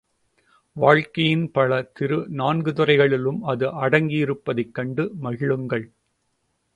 வாழ்க்கையின் பல திரு நான்கு துறைகளிலும் அது அடங்கியிருப்பதைக் கண்டு மகிழுங்கள்.